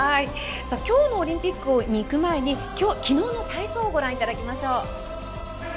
今日のオリンピックに行く前に昨日の体操をご覧いただきましょう。